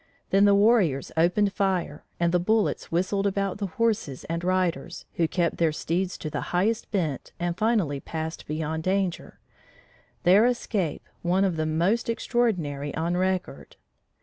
Then the warriors opened fire, and the bullets whistled about the horses and riders, who kept their steeds to the highest bent and finally passed beyond danger their escape one of the most extraordinary on record.